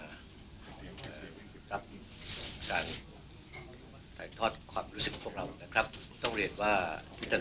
การถ่ายทอดความรู้สึกของพวกเรานะครับต้องเรียนว่าพี่ท่าน